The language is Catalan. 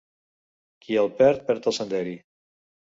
Qui el perd, perd el senderi.